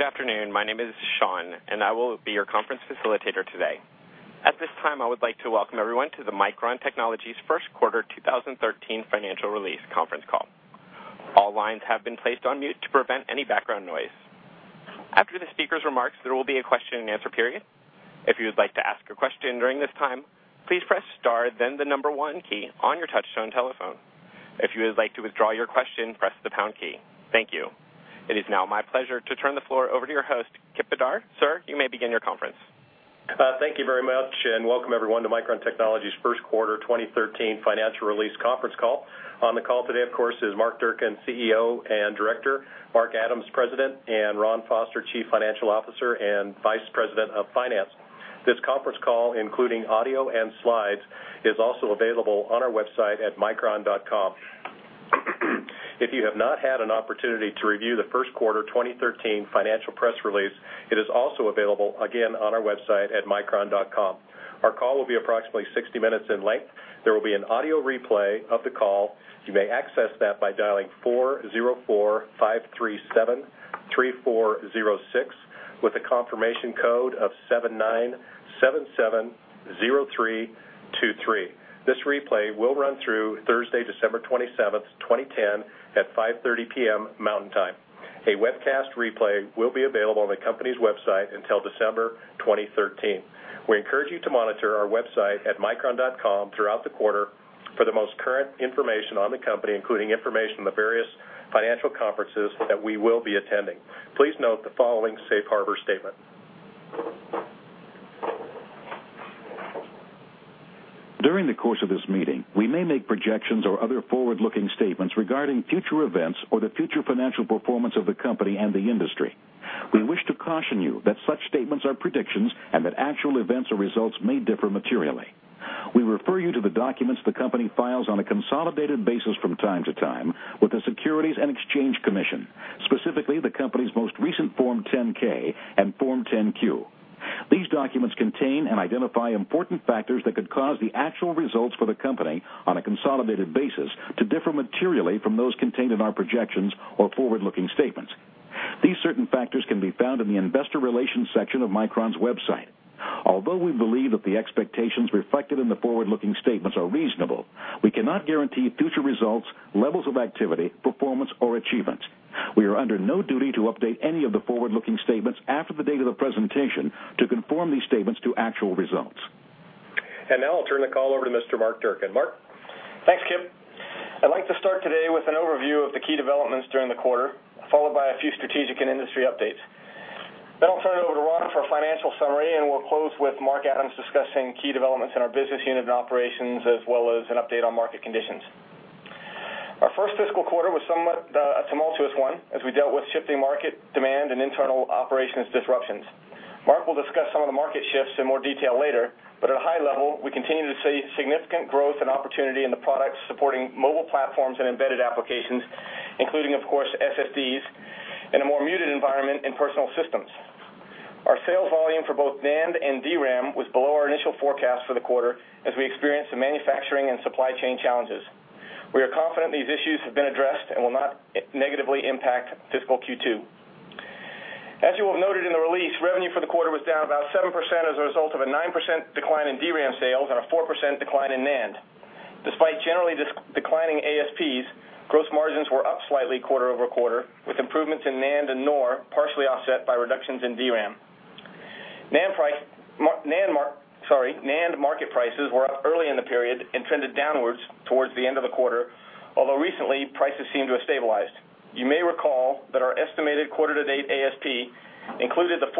Good afternoon. My name is Sean, and I will be your conference facilitator today. At this time, I would like to welcome everyone to Micron Technology's first quarter 2013 financial release conference call. All lines have been placed on mute to prevent any background noise. After the speaker's remarks, there will be a question-and-answer period. If you would like to ask a question during this time, please press star then the number one key on your touchtone telephone. If you would like to withdraw your question, press the pound key. Thank you. It is now my pleasure to turn the floor over to your host, Kipp Bedard. Sir, you may begin your conference. Thank you very much. Welcome everyone to Micron Technology's first-quarter 2013 financial release conference call. On the call today, of course, is Mark Durcan, CEO and Director, Mark Adams, President, and Ron Foster, Chief Financial Officer and Vice President of Finance. This conference call, including audio and slides, is also available on our website at micron.com. If you have not had an opportunity to review the first-quarter 2013 financial press release, it is also available, again, on our website at micron.com. Our call will be approximately 60 minutes in length. There will be an audio replay of the call. You may access that by dialing 404-537-3406 with a confirmation code of 79770323. This replay will run through Thursday, December 27th, 2010, at 5:30 P.M. Mountain Time. A webcast replay will be available on the company's website until December 2013. We encourage you to monitor our website at micron.com throughout the quarter for the most current information on the company, including information on the various financial conferences that we will be attending. Please note the following safe harbor statement. During the course of this meeting, we may make projections or other forward-looking statements regarding future events or the future financial performance of the company and the industry. We wish to caution you that such statements are predictions and that actual events or results may differ materially. We refer you to the documents the company files on a consolidated basis from time to time with the Securities and Exchange Commission, specifically the company's most recent Form 10-K and Form 10-Q. These documents contain and identify important factors that could cause the actual results for the company, on a consolidated basis, to differ materially from those contained in our projections or forward-looking statements. These certain factors can be found in the investor relations section of Micron's website. Although we believe that the expectations reflected in the forward-looking statements are reasonable, we cannot guarantee future results, levels of activity, performance, or achievements. We are under no duty to update any of the forward-looking statements after the date of the presentation to conform these statements to actual results. Now I'll turn the call over to Mr. Mark Durcan. Mark? Thanks, Kipp. I'd like to start today with an overview of the key developments during the quarter, followed by a few strategic and industry updates. I'll turn it over to Ron for a financial summary, and we'll close with Mark Adams discussing key developments in our business unit operations as well as an update on market conditions. Our first fiscal quarter was a tumultuous one as we dealt with shifting market demand and internal operations disruptions. Mark will discuss some of the market shifts in more detail later, but at a high level, we continue to see significant growth and opportunity in the products supporting mobile platforms and embedded applications, including, of course, SSDs, in a more muted environment in personal systems. Our sales volume for both NAND and DRAM was below our initial forecast for the quarter as we experienced some manufacturing and supply chain challenges. We are confident these issues have been addressed and will not negatively impact fiscal Q2. As you have noted in the release, revenue for the quarter was down about 7% as a result of a 9% decline in DRAM sales and a 4% decline in NAND. Despite generally declining ASPs, gross margins were up slightly quarter-over-quarter, with improvements in NAND and NOR partially offset by reductions in DRAM. NAND market prices were up early in the period and trended downwards towards the end of the quarter. Recently, prices seem to have stabilized. You may recall that our estimated quarter-to-date ASP, including the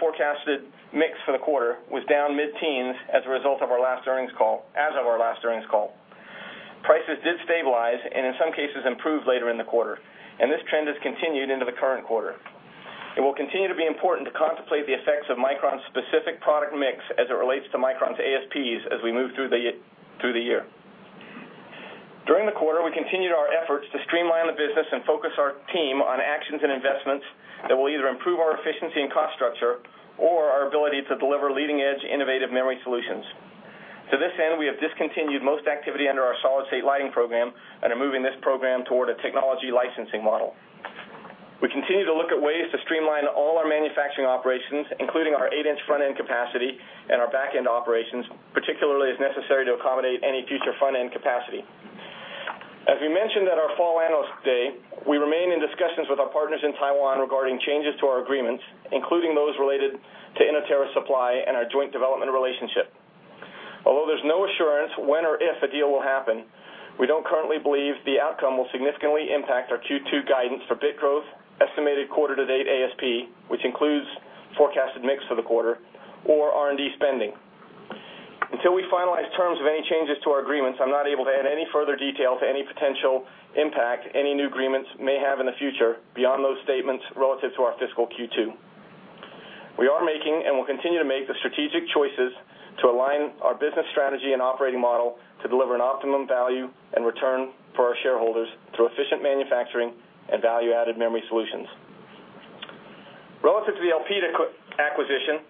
forecasted mix for the quarter, was down mid-teens as of our last earnings call. Prices did stabilize and, in some cases, improved later in the quarter, and this trend has continued into the current quarter. It will continue to be important to contemplate the effects of Micron's specific product mix as it relates to Micron's ASPs as we move through the year. During the quarter, we continued our efforts to streamline the business and focus our team on actions and investments that will either improve our efficiency and cost structure or our ability to deliver leading-edge innovative memory solutions. To this end, we have discontinued most activity under our solid-state lighting program and are moving this program toward a technology licensing model. We continue to look at ways to streamline all our manufacturing operations, including our eight-inch front-end capacity and our back-end operations, particularly as necessary to accommodate any future front-end capacity. As we mentioned at our fall analyst day, we remain in discussions with our partners in Taiwan regarding changes to our agreements, including those related to Inotera Supply and our joint development relationship. Although there's no assurance when or if a deal will happen, we don't currently believe the outcome will significantly impact our Q2 guidance for bit growth, estimated quarter-to-date ASP, which includes forecasted mix for the quarter, or R&D spending. Until we finalize terms of any changes to our agreements, I'm not able to add any further detail to any potential impact any new agreements may have in the future beyond those statements relative to our fiscal Q2. We are making and will continue to make the strategic choices to align our business strategy and operating model to deliver an optimum value and return for our shareholders through efficient manufacturing and value-added memory solutions. Relative to the Elpida acquisition,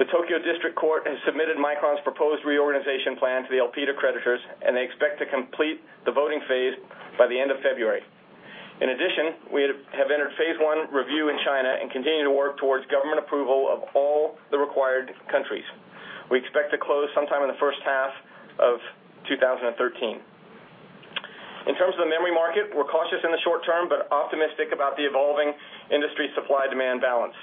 the Tokyo District Court has submitted Micron's proposed reorganization plan to the Elpida creditors, and they expect to complete the voting phase by the end of February. In addition, we have entered phase 1 review in China and continue to work towards government approval of all the required countries. We expect to close sometime in the first half of 2013. In terms of the memory market, we're cautious in the short term but optimistic about the evolving industry supply-demand balance.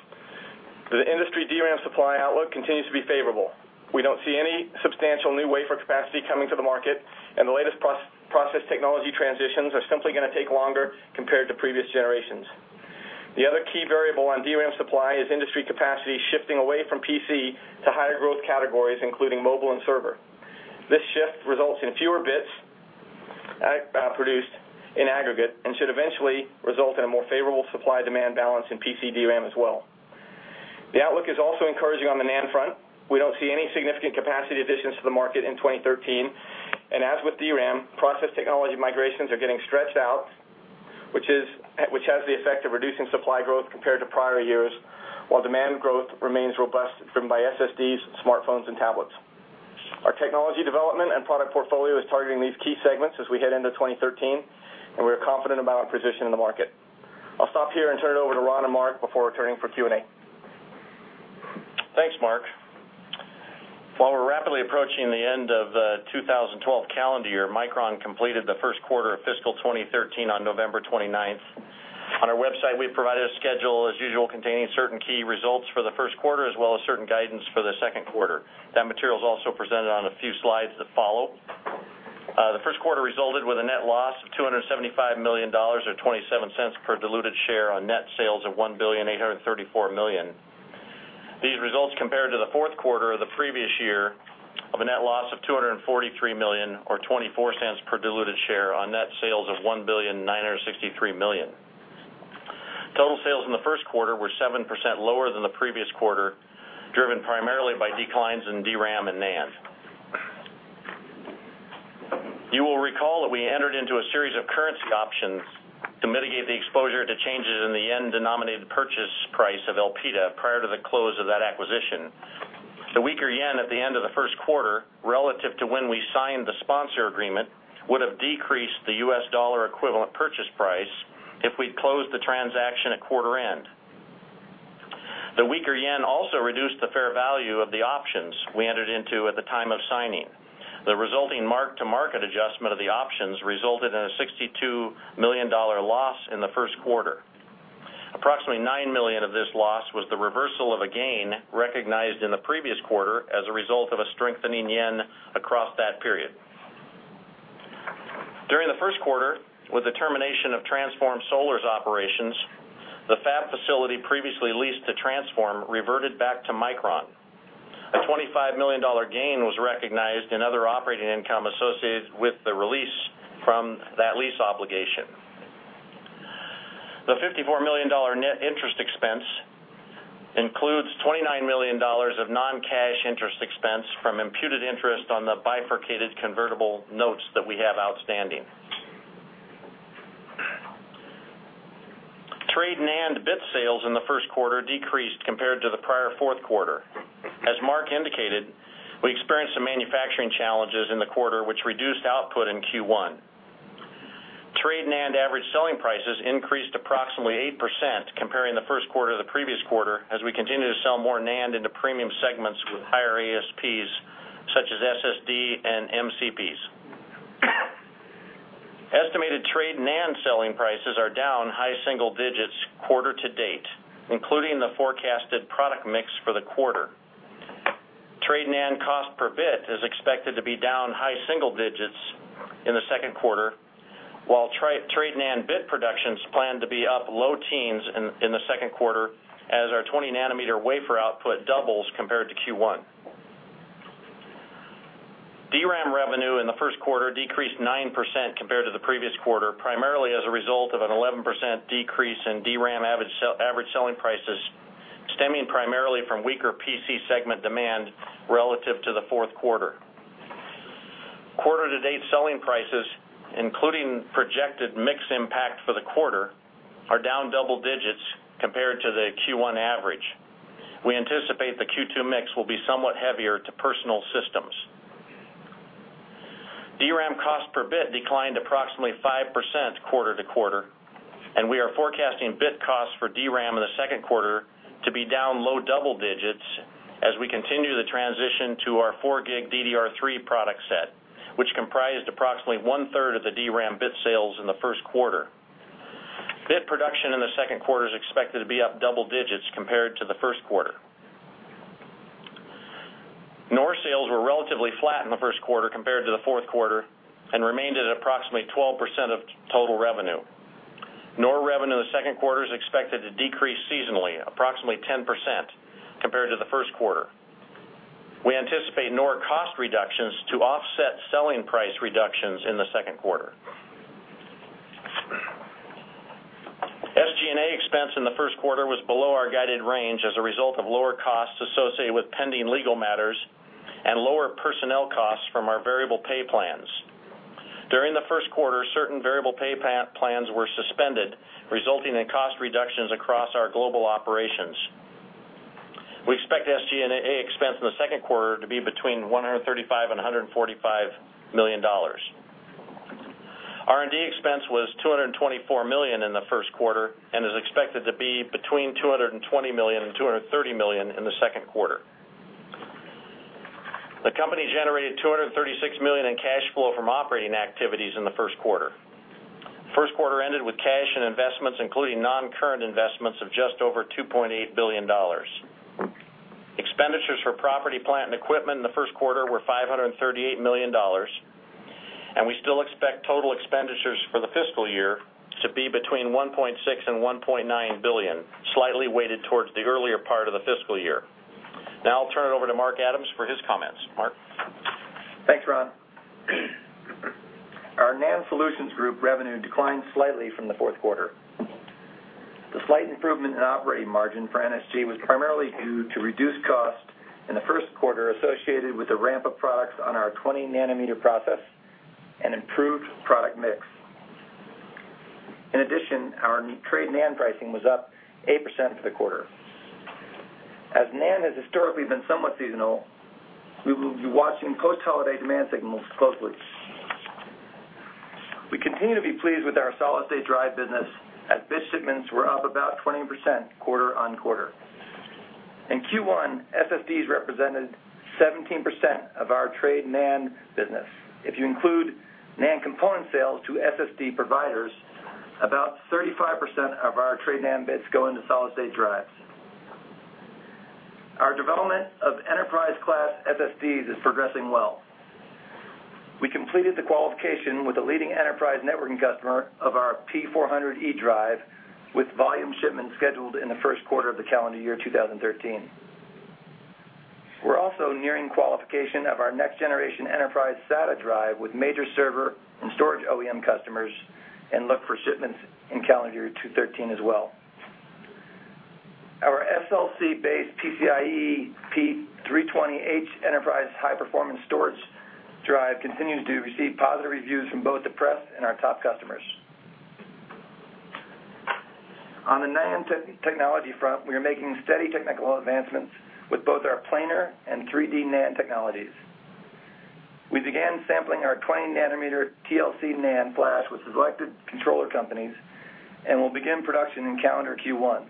The industry DRAM supply outlook continues to be favorable. We don't see any substantial new wafer capacity coming to the market, and the latest process technology transitions are simply going to take longer compared to previous generations. The other key variable on DRAM supply is industry capacity shifting away from PC to higher-growth categories, including mobile and server. This shift results in fewer bits produced in aggregate and should eventually result in a more favorable supply-demand balance in PC DRAM as well. The outlook is also encouraging on the NAND front. We don't see any significant capacity additions to the market in 2013. As with DRAM, process technology migrations are getting stretched out, which has the effect of reducing supply growth compared to prior years, while demand growth remains robust, driven by SSDs, smartphones, and tablets. Our technology development and product portfolio is targeting these key segments as we head into 2013, and we are confident about our position in the market. I'll stop here and turn it over to Ron and Mark before returning for Q&A. Thanks, Mark. While we're rapidly approaching the end of the 2012 calendar year, Micron completed the first quarter of fiscal 2013 on November 29th. On our website, we provided a schedule, as usual, containing certain key results for the first quarter, as well as certain guidance for the second quarter. That material is also presented on a few slides that follow. The first quarter resulted with a net loss of $275 million, or $0.27 per diluted share on net sales of $1.834 billion. These results compared to the fourth quarter of the previous year of a net loss of $243 million or $0.24 per diluted share on net sales of $1.963 billion. Total sales in the first quarter were 7% lower than the previous quarter, driven primarily by declines in DRAM and NAND. You will recall that we entered into a series of currency options to mitigate the exposure to changes in the yen-denominated purchase price of Elpida prior to the close of that acquisition. The weaker yen at the end of the first quarter relative to when we signed the sponsor agreement would have decreased the U.S. dollar equivalent purchase price if we'd closed the transaction at quarter end. The weaker yen also reduced the fair value of the options we entered into at the time of signing. The resulting mark-to-market adjustment of the options resulted in a $62 million loss in the first quarter. Approximately $9 million of this loss was the reversal of a gain recognized in the previous quarter as a result of a strengthening yen across that period. During the first quarter, with the termination of Transform Solar's operations, the fab facility previously leased to Transform reverted back to Micron. A $25 million gain was recognized in other operating income associated with the release from that lease obligation. The $54 million net interest expense includes $29 million of non-cash interest expense from imputed interest on the bifurcated convertible notes that we have outstanding. Trade NAND bit sales in the first quarter decreased compared to the prior fourth quarter. As Mark indicated, we experienced some manufacturing challenges in the quarter, which reduced output in Q1. Trade NAND Average Selling Prices increased approximately 8% comparing the first quarter to the previous quarter, as we continue to sell more NAND into premium segments with higher ASPs, such as SSD and MCPs. Estimated trade NAND selling prices are down high single digits quarter to date, including the forecasted product mix for the quarter. Trade NAND cost per bit is expected to be down high single digits in the second quarter, while trade NAND bit production is planned to be up low teens in the second quarter as our 20-nanometer wafer output doubles compared to Q1. DRAM revenue in the first quarter decreased 9% compared to the previous quarter, primarily as a result of an 11% decrease in DRAM Average Selling Prices, stemming primarily from weaker PC segment demand relative to the fourth quarter. Quarter-to-date selling prices, including projected mix impact for the quarter, are down double digits compared to the Q1 average. We anticipate the Q2 mix will be somewhat heavier to personal systems. DRAM cost per bit declined approximately 5% quarter-to-quarter, and we are forecasting bit costs for DRAM in the second quarter to be down low double digits as we continue the transition to our 4-gig DDR3 product set, which comprised approximately one-third of the DRAM bit sales in the first quarter. Bit production in the second quarter is expected to be up double digits compared to the first quarter. NOR sales were relatively flat in the first quarter compared to the fourth quarter and remained at approximately 12% of total revenue. NOR revenue in the second quarter is expected to decrease seasonally, approximately 10%, compared to the first quarter. We anticipate NOR cost reductions to offset selling price reductions in the second quarter. SG&A expense in the first quarter was below our guided range as a result of lower costs associated with pending legal matters Variable pay plans. During the first quarter, certain variable pay plans were suspended, resulting in cost reductions across our global operations. We expect SG&A expense in the second quarter to be between $135 million and $145 million. R&D expense was $224 million in the first quarter, and is expected to be between $220 million and $230 million in the second quarter. The company generated $236 million in cash flow from operating activities in the first quarter. First quarter ended with cash and investments, including non-current investments of just over $2.8 billion. Expenditures for property, plant, and equipment in the first quarter were $538 million, and we still expect total expenditures for the fiscal year to be between $1.6 billion and $1.9 billion, slightly weighted towards the earlier part of the fiscal year. I'll turn it over to Mark Adams for his comments. Mark? Thanks, Ron. Our NAND Solutions Group revenue declined slightly from the fourth quarter. The slight improvement in operating margin for NSG was primarily due to reduced cost in the first quarter associated with the ramp-up products on our 20-nanometer process, and improved product mix. Our trade NAND pricing was up 8% for the quarter. NAND has historically been somewhat seasonal, we will be watching post-holiday demand signals closely. We continue to be pleased with our solid-state drive business, as bit shipments were up about 20% quarter-on-quarter. In Q1, SSDs represented 17% of our trade NAND business. If you include NAND component sales to SSD providers, about 35% of our trade NAND bits go into solid-state drives. Our development of enterprise-class SSDs is progressing well. We completed the qualification with a leading enterprise networking customer of our P400e drive, with volume shipments scheduled in the first quarter of the calendar year 2013. We're also nearing qualification of our next-generation enterprise SATA drive with major server and storage OEM customers, and look for shipments in calendar year 2013 as well. Our SLC-based PCIe P320h enterprise high-performance storage drive continues to receive positive reviews from both the press and our top customers. On the NAND technology front, we are making steady technical advancements with both our planar and 3D NAND technologies. We began sampling our 20-nanometer TLC NAND flash with selected controller companies, and will begin production in calendar Q1.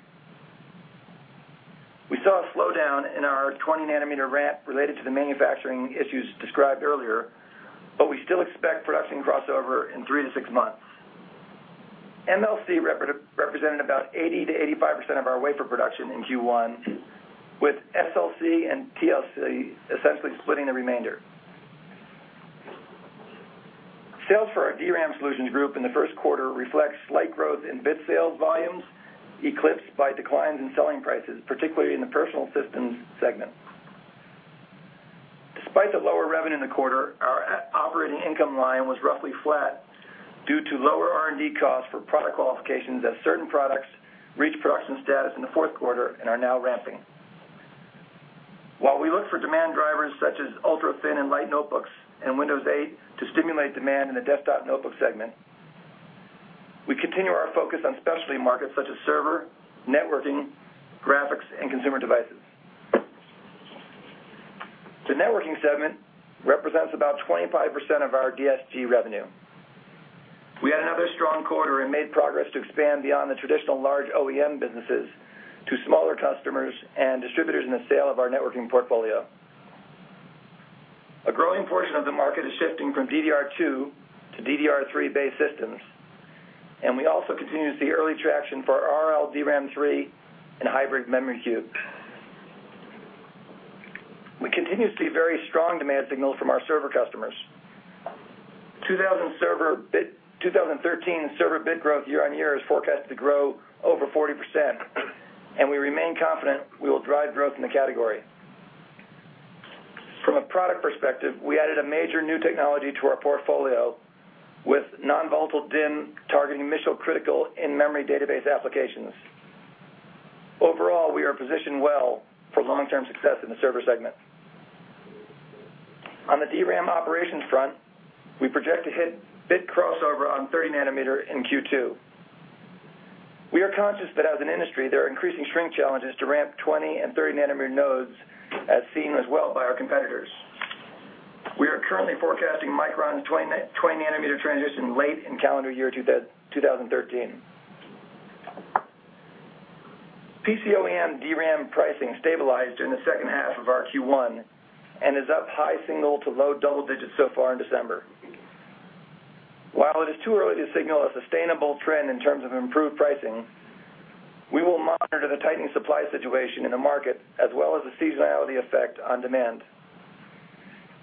We saw a slowdown in our 20-nanometer ramp related to the manufacturing issues described earlier, but we still expect production crossover in three to six months. MLC represented about 80%-85% of our wafer production in Q1, with SLC and TLC essentially splitting the remainder. Sales for our DRAM Solutions Group in the first quarter reflects slight growth in bit sales volumes, eclipsed by declines in selling prices, particularly in the personal systems segment. Despite the lower revenue in the quarter, our operating income line was roughly flat due to lower R&D costs for product qualifications as certain products reached production status in the fourth quarter and are now ramping. While we look for demand drivers such as ultra-thin and light notebooks and Windows 8 to stimulate demand in the desktop notebook segment, we continue our focus on specialty markets such as server, networking, graphics, and consumer devices. The networking segment represents about 25% of our DSG revenue. We had another strong quarter and made progress to expand beyond the traditional large OEM businesses to smaller customers and distributors in the sale of our networking portfolio. A growing portion of the market is shifting from DDR2 to DDR3-based systems, and we also continue to see early traction for our RLDRAM 3 and Hybrid Memory Cube. We continue to see very strong demand signals from our server customers. 2013 server bit growth year-on-year is forecasted to grow over 40%, and we remain confident we will drive growth in the category. From a product perspective, we added a major new technology to our portfolio with non-volatile DIMM targeting mission-critical in-memory database applications. Overall, we are positioned well for long-term success in the server segment. On the DRAM operations front, we project to hit bit crossover on 30 nanometer in Q2. We are conscious that as an industry, there are increasing shrink challenges to ramp 20 and 30-nanometer nodes, as seen as well by our competitors. We are currently forecasting Micron's 20-nanometer transition late in calendar year 2013. PCOEM DRAM pricing stabilized in the second half of our Q1 and is up high single to low double digits so far in December. While it is too early to signal a sustainable trend in terms of improved pricing, we will monitor the tightening supply situation in the market, as well as the seasonality effect on demand.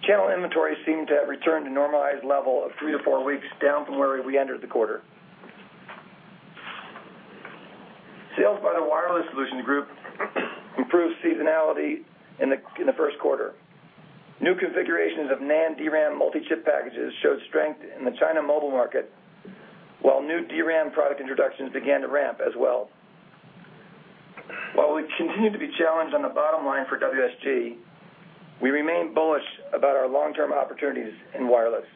Channel inventories seem to have returned to normalized level of 3-4 weeks, down from where we entered the quarter. Sales by the Wireless Solutions Group improved seasonality in the first quarter. New configurations of NAND DRAM Multi-Chip Packages showed strength in the China mobile market, while new DRAM product introductions began to ramp as well. We would continue to be challenged on the bottom line for WSG. We remain bullish about our long-term opportunities in wireless.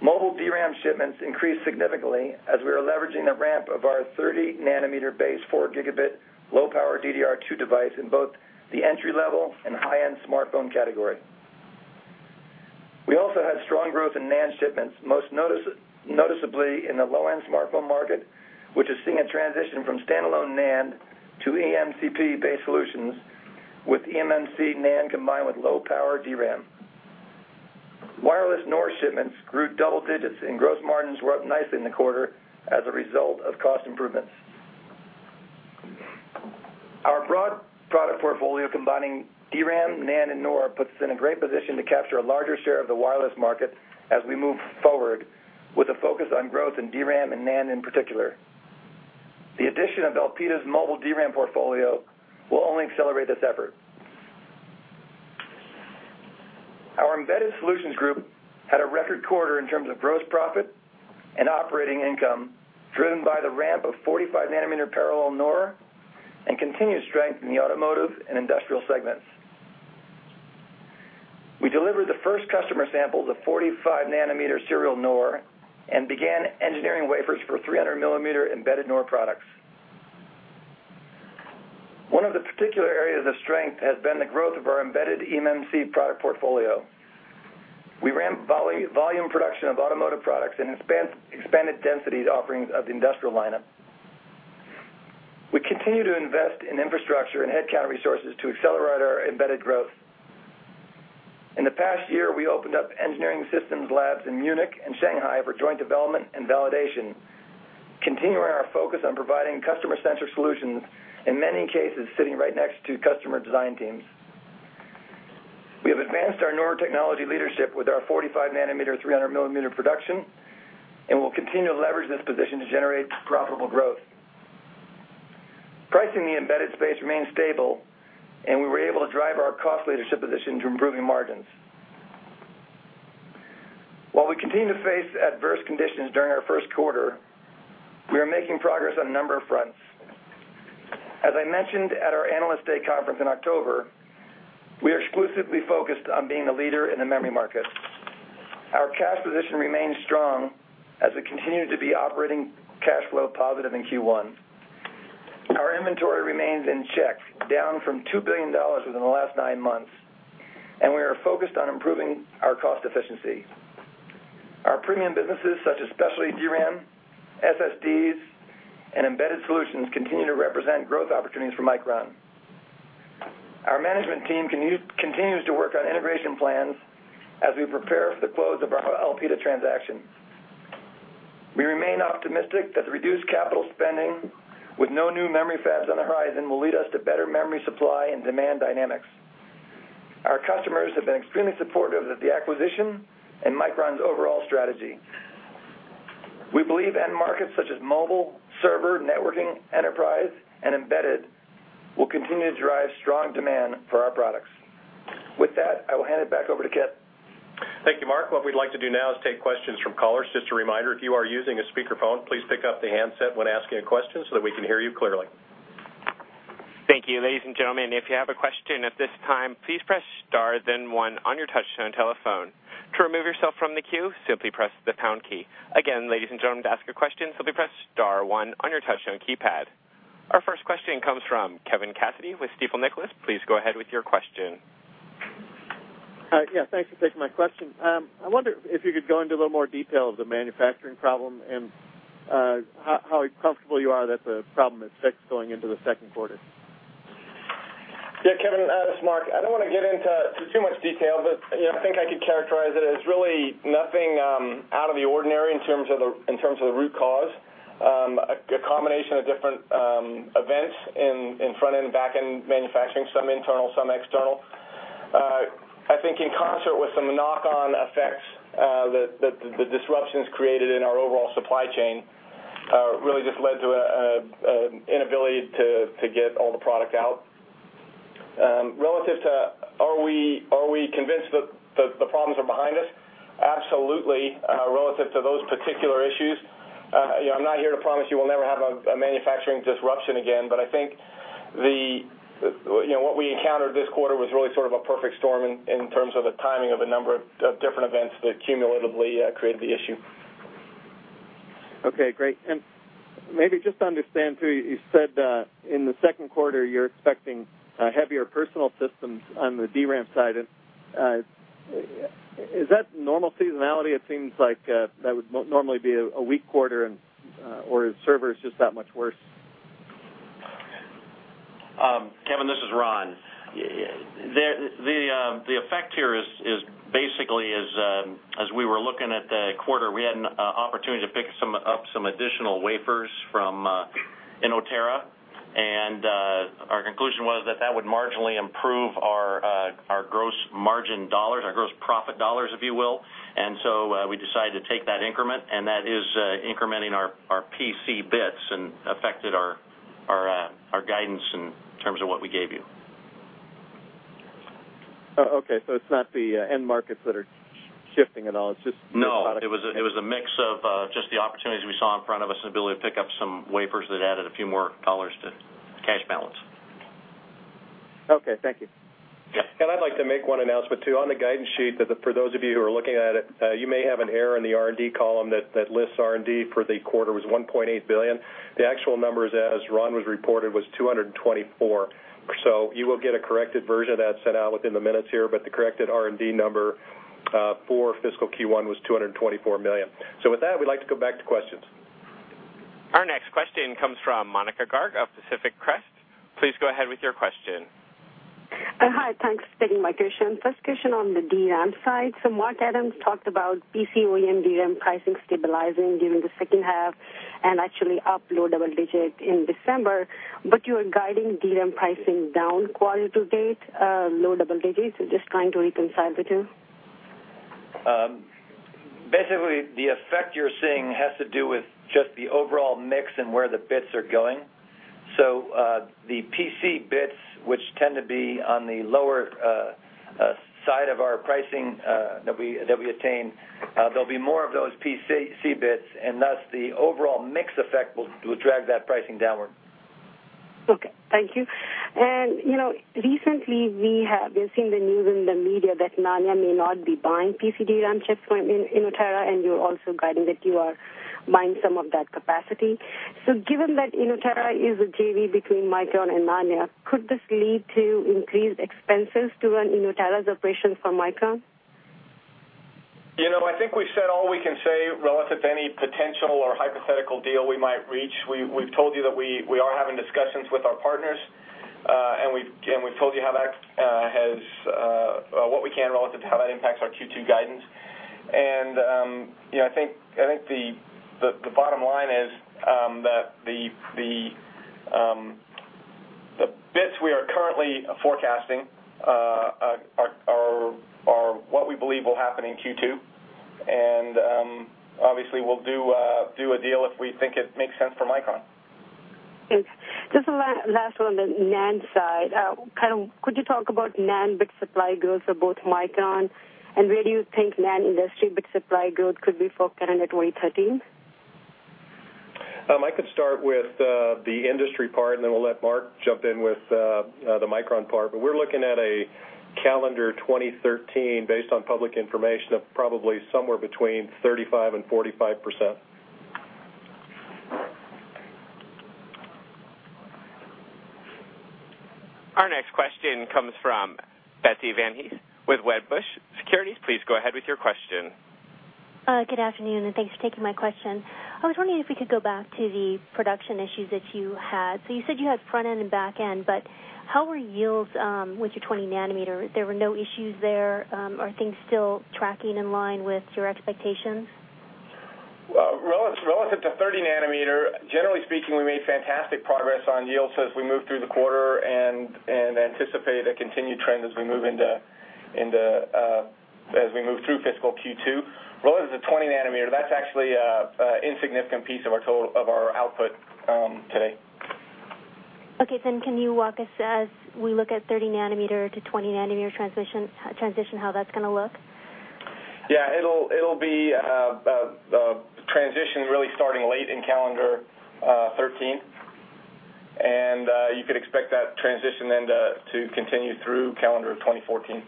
Mobile DRAM shipments increased significantly as we are leveraging the ramp of our 30 nanometer base, 4 gigabit LPDDR2 device in both the entry-level and high-end smartphone category. We also had strong growth in NAND shipments, most noticeably in the low-end smartphone market, which is seeing a transition from standalone NAND to EMCP-based solutions with eMMC NAND combined with low-power DRAM. Wireless NOR shipments grew double digits and gross margins were up nicely in the quarter as a result of cost improvements. Our broad product portfolio combining DRAM, NAND, and NOR puts us in a great position to capture a larger share of the wireless market as we move forward, with a focus on growth in DRAM and NAND in particular. The addition of Elpida's mobile DRAM portfolio will only accelerate this effort. Our Embedded Solutions Group had a record quarter in terms of gross profit and operating income, driven by the ramp of 45-nanometer parallel NOR and continued strength in the automotive and industrial segments. We delivered the first customer samples of 45-nanometer serial NOR and began engineering wafers for 300-millimeter embedded NOR products. One of the particular areas of strength has been the growth of our embedded eMMC product portfolio. We ran volume production of automotive products and expanded densities offerings of the industrial lineup. We continue to invest in infrastructure and headcount resources to accelerate our embedded growth. In the past year, we opened up engineering systems labs in Munich and Shanghai for joint development and validation, continuing our focus on providing customer-centric solutions, in many cases, sitting right next to customer design teams. We have advanced our NOR technology leadership with our 45-nanometer, 300-millimeter production, we'll continue to leverage this position to generate profitable growth. Pricing in the embedded space remains stable, we were able to drive our cost leadership position to improving margins. While we continue to face adverse conditions during our first quarter, we are making progress on a number of fronts. As I mentioned at our Analyst Day conference in October, we are exclusively focused on being a leader in the memory market. Our cash position remains strong as we continue to be operating cash flow positive in Q1. Our inventory remains in check, down from $2 billion within the last nine months, we are focused on improving our cost efficiency. Our premium businesses such as specialty DRAM, SSDs, and embedded solutions continue to represent growth opportunities for Micron. Our management team continues to work on integration plans as we prepare for the close of our Elpida transaction. We remain optimistic that the reduced capital spending with no new memory fabs on the horizon will lead us to better memory supply and demand dynamics. Our customers have been extremely supportive of the acquisition and Micron's overall strategy. We believe end markets such as mobile, server, networking, enterprise, and embedded will continue to drive strong demand for our products. With that, I will hand it back over to Kip. Thank you, Mark. What we'd like to do now is take questions from callers. Just a reminder, if you are using a speakerphone, please pick up the handset when asking a question so that we can hear you clearly. Thank you. Ladies and gentlemen, if you have a question at this time, please press star then one on your touch-tone telephone. To remove yourself from the queue, simply press the pound key. Again, ladies and gentlemen, to ask a question, simply press star one on your touch-tone keypad. Our first question comes from Kevin Cassidy with Stifel Nicolaus. Please go ahead with your question. Yeah, thanks for taking my question. I wonder if you could go into a little more detail of the manufacturing problem and how comfortable you are that the problem is fixed going into the second quarter. Yeah, Kevin, this is Mark. I don't want to get into too much detail, but I think I could characterize it as really nothing out of the ordinary in terms of the root cause. A combination of different events in front-end and back-end manufacturing, some internal, some external. I think in concert with some knock-on effects, the disruptions created in our overall supply chain really just led to an inability to get all the product out. Relative to are we convinced that the problems are behind us, absolutely, relative to those particular issues. I'm not here to promise you we'll never have a manufacturing disruption again, but I think what we encountered this quarter was really sort of a perfect storm in terms of the timing of a number of different events that cumulatively created the issue. Okay, great. Maybe just to understand, too, you said in the second quarter you're expecting heavier personal systems on the DRAM side. Is that normal seasonality? It seems like that would normally be a weak quarter. Is server just that much worse? Kevin, this is Ron. The effect here is basically as we were looking at the quarter, we had an opportunity to pick up some additional wafers from Inotera, and our conclusion was that that would marginally improve our gross margin dollars, our gross profit dollars, if you will. We decided to take that increment, and that is incrementing our PC bits and affected our guidance. Okay, it's not the end markets that are shifting at all. It was a mix of just the opportunities we saw in front of us and ability to pick up some wafers that added a few more dollars to cash balance. Okay, thank you. Yeah. I'd like to make one announcement, too. On the guidance sheet, for those of you who are looking at it, you may have an error in the R&D column that lists R&D for the quarter was $1.8 billion. The actual numbers, as Ron reported, was $224 million. You will get a corrected version of that sent out within the minutes here, but the corrected R&D number for fiscal Q1 was $224 million. With that, we'd like to go back to questions. Our next question comes from Monika Garg of Pacific Crest. Please go ahead with your question. Hi, thanks for taking my question. First question on the DRAM side. Mark Adams talked about PC OEM DRAM pricing stabilizing during the second half and actually up low double digit in December, but you are guiding DRAM pricing down quarter to date, low double digits. Just trying to reconcile the two. Basically, the effect you're seeing has to do with just the overall mix and where the bits are going. The PC bits, which tend to be on the lower side of our pricing that we attain, there'll be more of those PC bits, and thus, the overall mix effect will drag that pricing downward. Okay. Thank you. Recently, we have been seeing the news in the media that Nanya may not be buying PC DRAM chips from Inotera, and you're also guiding that you are buying some of that capacity. Given that Inotera is a JV between Micron and Nanya, could this lead to increased expenses to run Inotera's operations for Micron? I think we've said all we can say relative to any potential or hypothetical deal we might reach. We've told you that we are having discussions with our partners, and we've told you what we can relative to how that impacts our Q2 guidance. I think the bottom line is that the bits we are currently forecasting are what we believe will happen in Q2. Obviously, we'll do a deal if we think it makes sense for Micron. Thanks. Just a last one on the NAND side. Could you talk about NAND bit supply growth for both Micron and where do you think NAND industry bit supply growth could be for calendar 2013? I could start with the industry part, then we'll let Mark jump in with the Micron part. We're looking at a calendar 2013, based on public information, of probably somewhere between 35% and 45%. Our next question comes from Betsy Van Hees with Wedbush Securities. Please go ahead with your question. Good afternoon. Thanks for taking my question. I was wondering if we could go back to the production issues that you had. You said you had front-end and back-end. How were yields with your 20 nanometer? There were no issues there. Are things still tracking in line with your expectations? Relative to 30 nanometer, generally speaking, we made fantastic progress on yields as we move through the quarter and anticipate a continued trend as we move through fiscal Q2. Relative to 20 nanometer, that's actually an insignificant piece of our output today. Okay. Can you walk us as we look at 30 nanometer to 20 nanometer transition, how that's going to look? Yeah, it'll be a transition really starting late in calendar 2013, and you could expect that transition then to continue through calendar of 2014.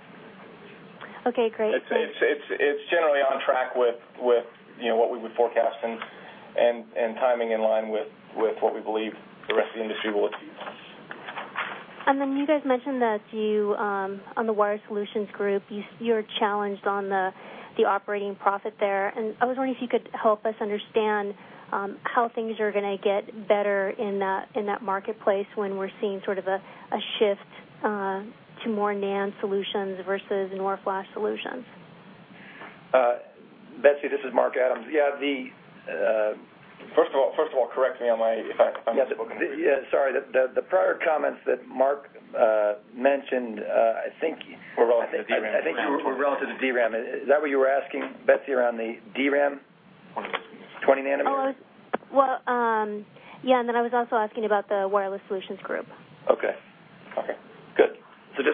Okay, great. It's generally on track with what we were forecasting and timing in line with what we believe the rest of the industry will achieve. Then you guys mentioned that on the Wireless Solutions Group, you are challenged on the operating profit there. I was wondering if you could help us understand how things are going to get better in that marketplace when we're seeing sort of a shift to more NAND solutions versus more flash solutions. Betsy, this is Mark Adams. Yeah, the- First of all, correct me if I'm speaking- Yeah, sorry. The prior comments that Mark mentioned, I think- Were relative to DRAM. I think we're relative to DRAM. Is that what you were asking, Betsy, around the DRAM? 20 nanometer. Well, yeah, I was also asking about the Wireless Solutions Group. Okay. Okay.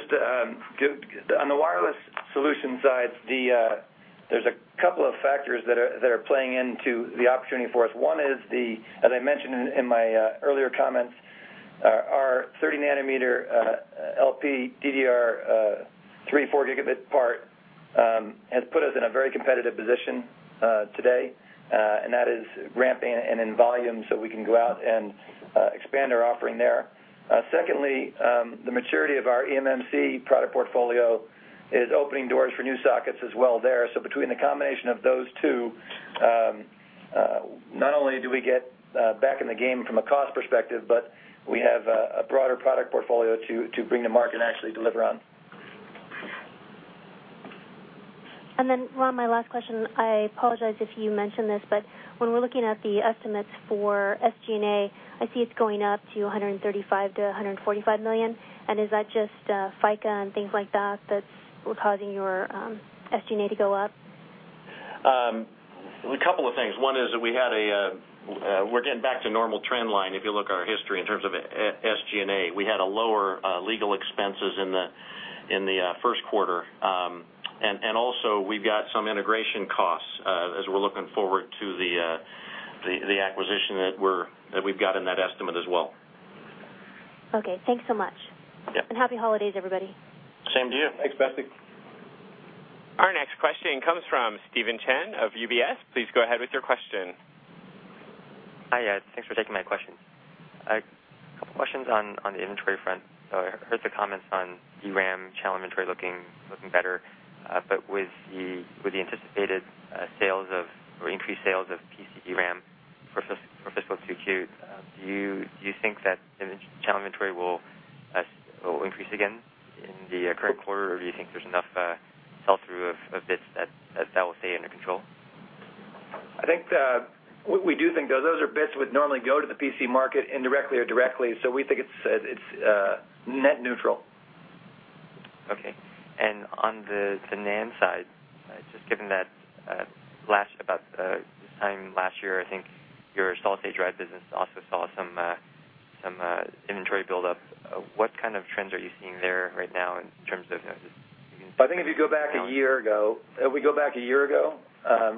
Good. Just on the Wireless Solutions side, there's a couple of factors that are playing into the opportunity for us. One is the, as I mentioned in my earlier comments, our 30 nanometer LPDDR3 4 gigabit part has put us in a very competitive position today, and that is ramping and in volume, we can go out and expand our offering there. Secondly, the maturity of our eMMC product portfolio is opening doors for new sockets as well there. Between the combination of those two, not only do we get back in the game from a cost perspective, but we have a broader product portfolio to bring to market and actually deliver on. Ron, my last question, I apologize if you mentioned this, but when we're looking at the estimates for SG&A, I see it's going up to $135 million-$145 million. Is that just FICA and things like that that's causing your SG&A to go up? A couple of things. One is that we're getting back to normal trend line, if you look at our history in terms of SG&A. We had lower legal expenses in the first quarter. Also, we've got some integration costs as we're looking forward to the acquisition that we've got in that estimate as well. Okay. Thanks so much. Yep. Happy holidays, everybody. Same to you. Thanks, Betsy. Our next question comes from Stephen Chen of UBS. Please go ahead with your question. Hi. Thanks for taking my question. A couple questions on the inventory front. I heard the comments on DRAM channel inventory looking better. With the anticipated increased sales of PC DRAM for fiscal Q2, do you think that channel inventory will increase again in the current quarter or do you think there's enough sell-through of bits that will stay under control? What we do think, though, those are bits that would normally go to the PC market indirectly or directly, so we think it's net neutral. Okay. On the NAND side, just given that about this time last year, I think your solid-state drive business also saw some inventory buildup. What kind of trends are you seeing there right now in terms of- I think if we go back a year ago,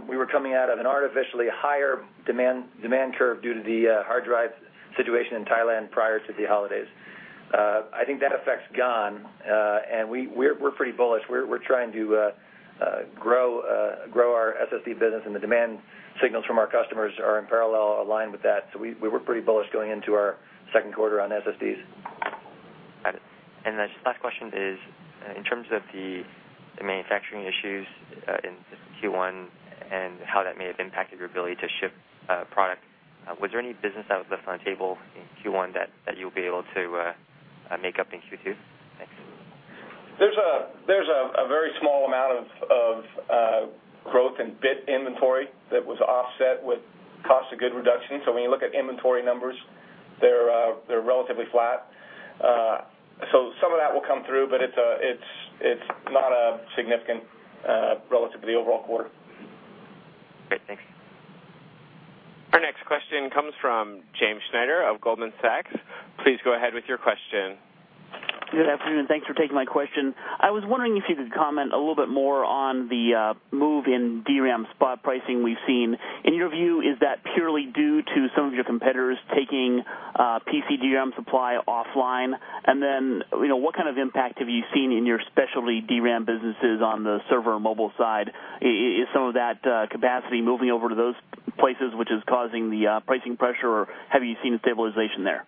we were coming out of an artificially higher demand curve due to the hard drive situation in Thailand prior to the holidays. I think that effect's gone, and we're pretty bullish. We're trying to grow our SSD business, and the demand signals from our customers are in parallel align with that. We were pretty bullish going into our second quarter on SSDs. Got it. Just last question is, in terms of the manufacturing issues in Q1 and how that may have impacted your ability to ship product, was there any business that was left on the table in Q1 that you'll be able to make up in Q2? Thanks. There's a very small amount of growth in bit inventory that was offset with cost of goods reduction. When you look at inventory numbers, they're relatively flat. Some of that will come through, but it's not significant relative to the overall quarter. Great. Thanks. Our next question comes from James Schneider of Goldman Sachs. Please go ahead with your question. Good afternoon. Thanks for taking my question. I was wondering if you could comment a little bit more on the move in DRAM spot pricing we've seen. In your view, is that purely due to some of your competitors taking PC DRAM supply offline? Then, what kind of impact have you seen in your specialty DRAM businesses on the server and mobile side? Is some of that capacity moving over to those places, which is causing the pricing pressure, or have you seen a stabilization there?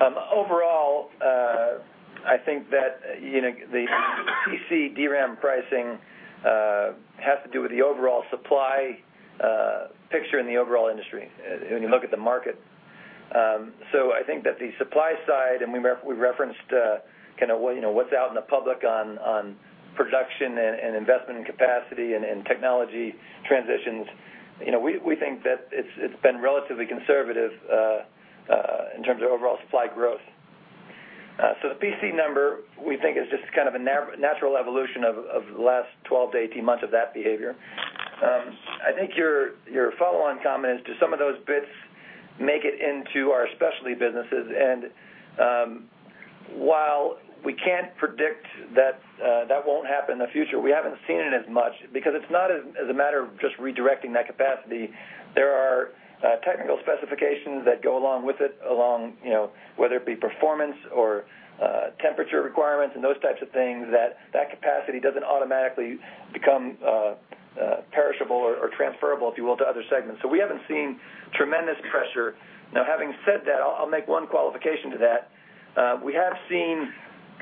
Overall, I think that the PC DRAM pricing has to do with the overall supply picture in the overall industry when you look at the market. I think that the supply side, and we referenced what's out in the public on production and investment in capacity and technology transitions. We think that it's been relatively conservative in terms of overall supply growth. The PC number, we think is just a natural evolution of the last 12 to 18 months of that behavior. I think your follow-on comment is, do some of those bits make it into our specialty businesses? While we can't predict that that won't happen in the future, we haven't seen it as much because it's not as a matter of just redirecting that capacity. There are technical specifications that go along with it, along whether it be performance or temperature requirements and those types of things, that capacity doesn't automatically become perishable or transferable, if you will, to other segments. We haven't seen tremendous pressure. Now, having said that, I'll make one qualification to that. We have seen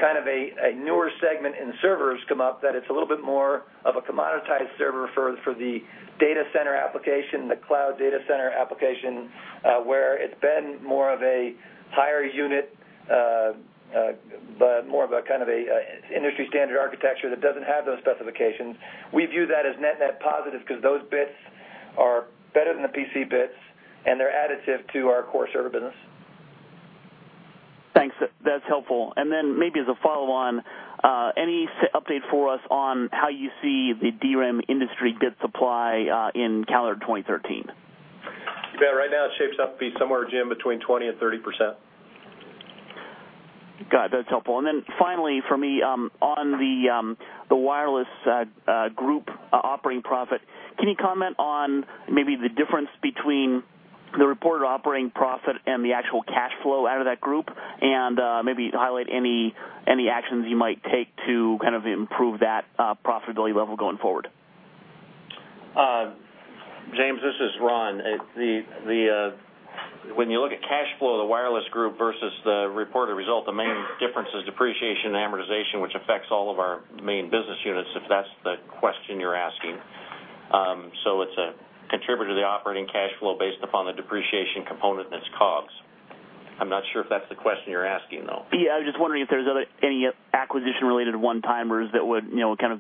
a newer segment in servers come up, that it's a little bit more of a commoditized server for the data center application, the cloud data center application, where it's been more of a higher unit, but more of a industry-standard architecture that doesn't have those specifications. We view that as net-net positive because those bits are better than the PC bits, and they're additive to our core server business. Thanks. That's helpful. Maybe as a follow-on, any update for us on how you see the DRAM industry bit supply in calendar 2013? Yeah, right now it shapes up to be somewhere, Jim, between 20% and 30%. Got it. That's helpful. Finally for me, on the Wireless group operating profit, can you comment on maybe the difference between the reported operating profit and the actual cash flow out of that group? Maybe highlight any actions you might take to improve that profitability level going forward. James, this is Ron. When you look at cash flow of the Wireless Group versus the reported result, the main difference is depreciation and amortization, which affects all of our main business units, if that's the question you're asking. It's a contributor to the operating cash flow based upon the depreciation component and its COGS. I'm not sure if that's the question you're asking, though. Yeah, I was just wondering if there's any acquisition-related one-timers that would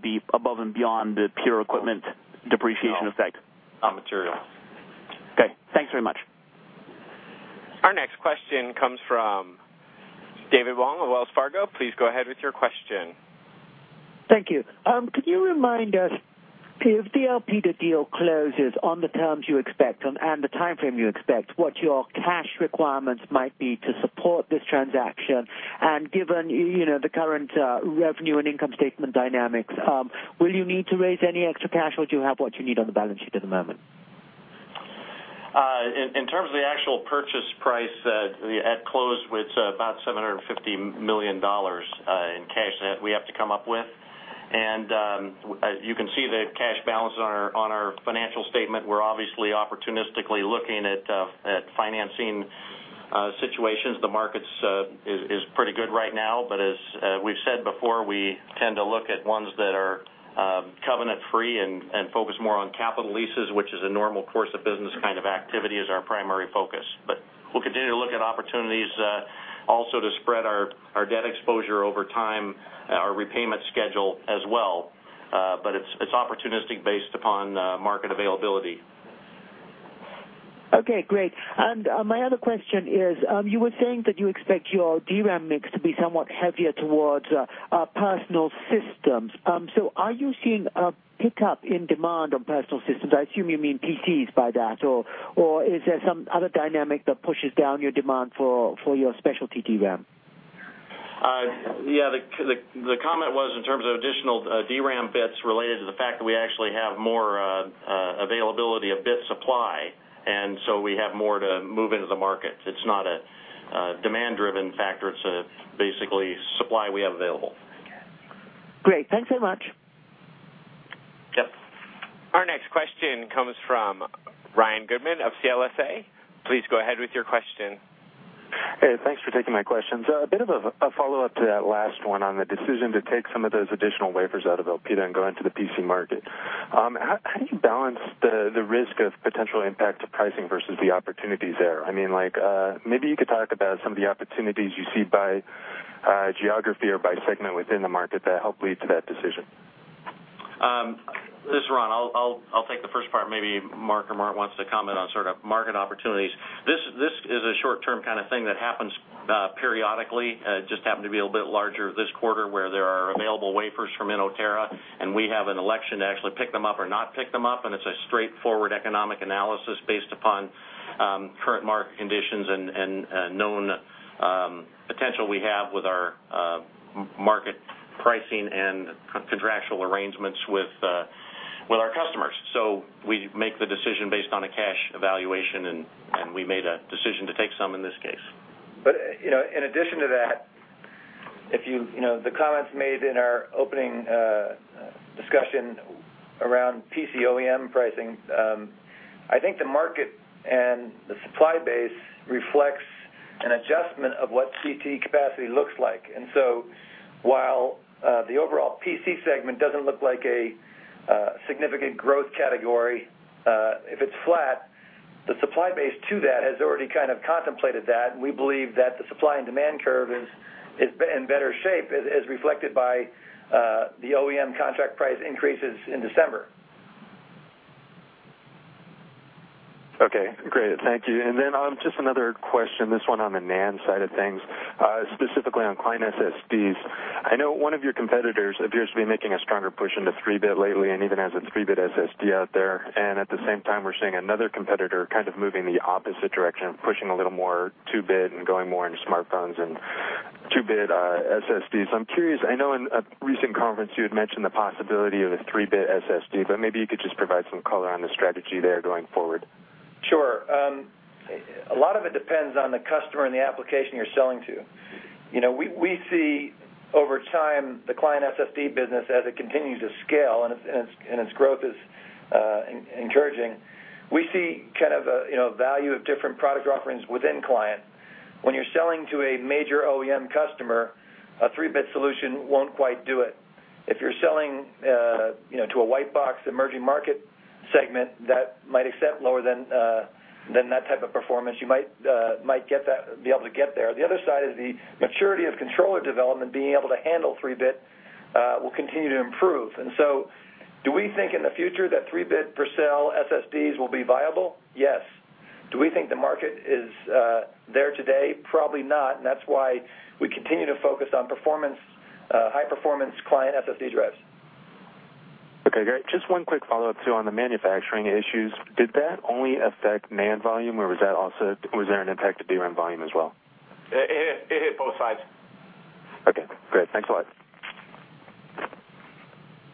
be above and beyond the pure equipment depreciation effect. No. Not material. David Wong of Wells Fargo, please go ahead with your question. Thank you. Could you remind us, if the Elpida deal closes on the terms you expect and the timeframe you expect, what your cash requirements might be to support this transaction? Given the current revenue and income statement dynamics, will you need to raise any extra cash, or do you have what you need on the balance sheet at the moment? In terms of the actual purchase price at close, it's about $750 million in cash that we have to come up with. You can see the cash balance on our financial statement. We're obviously opportunistically looking at financing situations. The market is pretty good right now, as we've said before, we tend to look at ones that are covenant free and focus more on capital leases, which is a normal course of business kind of activity, as our primary focus. We'll continue to look at opportunities, also to spread our debt exposure over time, our repayment schedule as well. It's opportunistic based upon market availability. Okay, great. My other question is, you were saying that you expect your DRAM mix to be somewhat heavier towards personal systems. Are you seeing a pickup in demand on personal systems? I assume you mean PCs by that, or is there some other dynamic that pushes down your demand for your specialty DRAM? Yeah. The comment was in terms of additional DRAM bits related to the fact that we actually have more availability of bit supply, we have more to move into the market. It's not a demand-driven factor. It's basically supply we have available. Okay. Great. Thanks so much. Yep. Our next question comes from Ryan Goodman of CLSA. Please go ahead with your question. Hey, thanks for taking my questions. A bit of a follow-up to that last one on the decision to take some of those additional wafers out of Elpida and go into the PC market. How do you balance the risk of potential impact to pricing versus the opportunities there? Maybe you could talk about some of the opportunities you see by geography or by segment within the market that help lead to that decision. This is Ron. I'll take the first part, maybe Mark or Mark wants to comment on sort of market opportunities. This is a short-term kind of thing that happens periodically. It just happened to be a little bit larger this quarter, where there are available wafers from Inotera, and we have an election to actually pick them up or not pick them up. It's a straightforward economic analysis based upon current market conditions and known potential we have with our market pricing and contractual arrangements with our customers. We make the decision based on a cash evaluation, and we made a decision to take some in this case. In addition to that, the comments made in our opening discussion around PC OEM pricing, I think the market and the supply base reflects an adjustment of what CT capacity looks like. While the overall PC segment doesn't look like a significant growth category, if it's flat, the supply base to that has already kind of contemplated that, and we believe that the supply and demand curve is in better shape, as reflected by the OEM contract price increases in December. Okay, great. Thank you. Then just another question, this one on the NAND side of things, specifically on client SSDs. I know one of your competitors appears to be making a stronger push into 3-bit lately and even has a 3-bit SSD out there, at the same time, we're seeing another competitor kind of moving the opposite direction, pushing a little more 2-bit and going more into smartphones and 2-bit SSDs. I'm curious, I know in a recent conference, you had mentioned the possibility of a 3-bit SSD, maybe you could just provide some color on the strategy there going forward. Sure. A lot of it depends on the customer and the application you're selling to. We see over time, the client SSD business as it continues to scale and its growth is encouraging. We see kind of a value of different product offerings within client. When you're selling to a major OEM customer, a 3-bit solution won't quite do it. If you're selling to a white box emerging market segment that might accept lower than that type of performance, you might be able to get there. The other side is the maturity of controller development, being able to handle 3-bit will continue to improve. So do we think in the future that 3-bit per cell SSDs will be viable? Yes. Do we think the market is there today? Probably not, and that's why we continue to focus on high-performance client SSD drives. Okay, great. Just one quick follow-up, too, on the manufacturing issues. Did that only affect NAND volume, or was there an impact to DRAM volume as well? It hit both sides. Okay, great. Thanks a lot.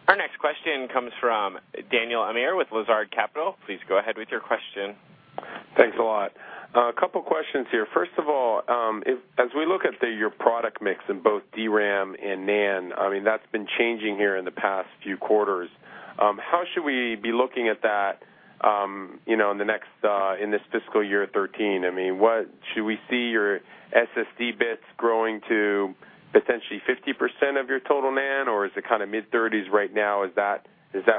Our next question comes from Daniel Amir with Lazard Capital. Please go ahead with your question. Thanks a lot. A couple questions here. First of all, as we look at your product mix in both DRAM and NAND, that's been changing here in the past few quarters. How should we be looking at that in this fiscal year 2013? Should we see your SSD bits growing to potentially 50% of your total NAND, or is it kind of mid-30s right now? Is that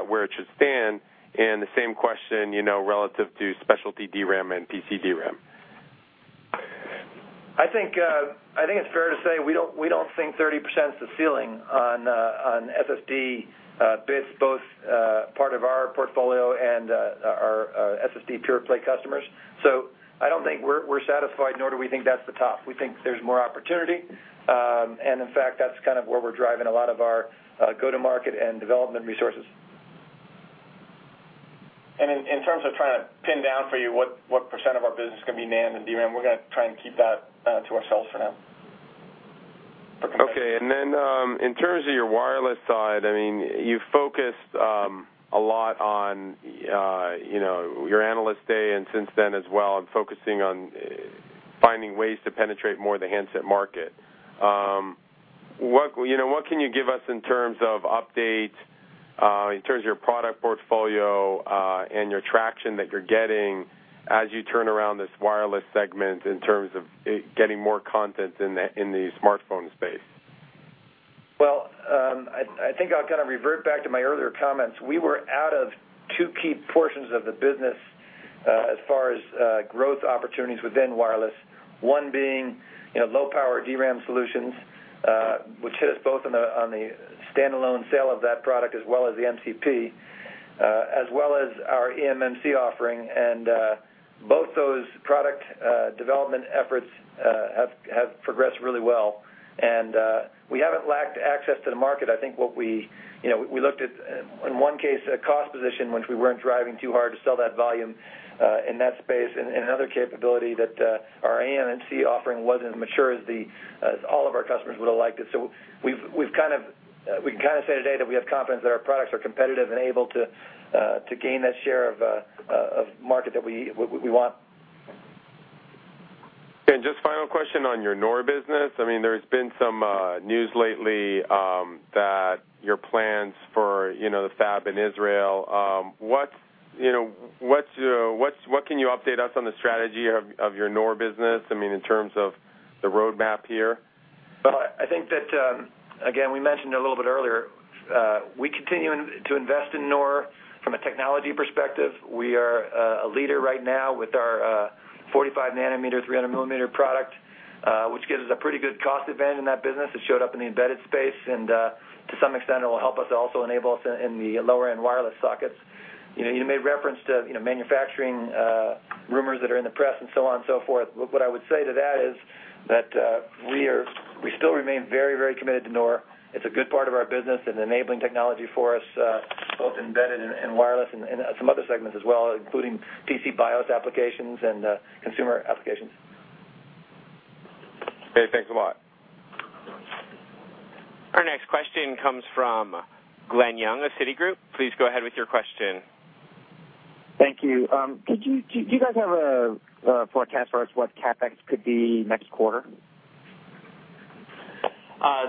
where it should stand? The same question, relative to specialty DRAM and PC DRAM. I think it's fair to say we don't think 30% is the ceiling on SSD bits, both part of our portfolio and our SSD pure-play customers. I don't think we're satisfied, nor do we think that's the top. We think there's more opportunity. In fact, that's where we're driving a lot of our go-to-market and development resources. In terms of trying to pin down for you what percent of our business is going to be NAND and DRAM, we're going to try and keep that to ourselves for now. In terms of your wireless side, you focused a lot on your Analyst Day and since then as well, on focusing on finding ways to penetrate more of the handset market. What can you give us in terms of updates, in terms of your product portfolio, and your traction that you're getting as you turn around this wireless segment in terms of getting more content in the smartphone space? Well, I think I'll kind of revert back to my earlier comments. We were out of two key portions of the business as far as growth opportunities within wireless. One being low-power DRAM solutions, which hit us both on the standalone sale of that product as well as the MCP, as well as our eMMC offering, both those product development efforts have progressed really well. We haven't lacked access to the market. I think what we looked at, in one case, a cost position, which we weren't driving too hard to sell that volume in that space, and another capability that our eMMC offering wasn't as mature as all of our customers would've liked it. We can say today that we have confidence that our products are competitive and able to gain that share of market that we want. Just final question on your NOR business. There's been some news lately that your plans for the fab in Israel, what can you update us on the strategy of your NOR business in terms of the roadmap here? Well, I think that, again, we mentioned a little bit earlier, we continue to invest in NOR from a technology perspective. We are a leader right now with our 45 nanometer, 300 millimeter product, which gives us a pretty good cost advantage in that business. It showed up in the embedded space, and to some extent, it will help us also enable us in the lower-end wireless sockets. You made reference to manufacturing rumors that are in the press and so on and so forth. What I would say to that is that we still remain very committed to NOR. It's a good part of our business, an enabling technology for us, both embedded and wireless, and some other segments as well, including PC BIOS applications and consumer applications. Okay, thanks a lot. Our next question comes from Glen Yeung of Citigroup. Please go ahead with your question. Thank you. Do you guys have a forecast for us what CapEx could be next quarter?